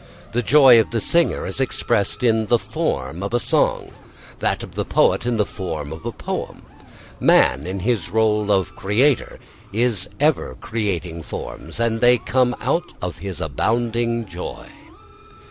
The joy of the singer is expressed in the form of a song, that of the poet in the form of a poem. Man in his rôle of a creator is ever creating forms, and they come out of his abounding joy.